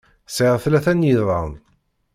Sɛiɣ tlata n yiḍan.